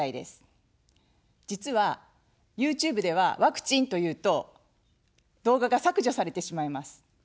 実はＹｏｕＴｕｂｅではワクチンというと動画が削除されてしまいます。